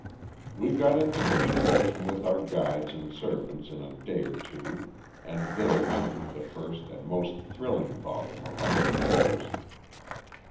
"We got into communication with our guides and servants in a day or two, and there ended the first and most thrilling volume of our adventures.